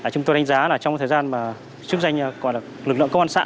chúng tôi đánh giá là trong thời gian mà chức danh lực lượng công an xã